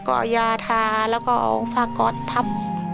ก็ยาทาแล้วก็เอาฟาก็อดทับ